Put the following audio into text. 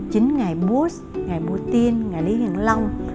chính ngày bush ngày putin ngày lý hiển long